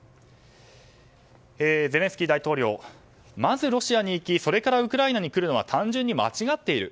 ゼレンスキー大統領まずロシアに行きそれからウクライナに来るのは単純に間違っている。